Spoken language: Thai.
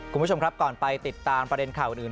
คุณผู้ชมครับก่อนไปติดตามประเด็นข่าวอื่น